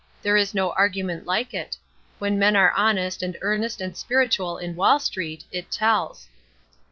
There is no argument like it. When men are honest and earnest and spiritual in Wall Street, it tells."